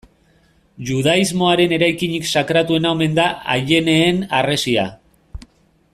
Judaismoaren eraikinik sakratuena omen da Aieneen Harresia.